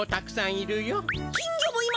いるよ。